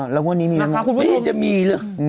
แล้วงวดนี้มีมั้ยค่ะคุณผู้ชมไม่ได้จะมีเลย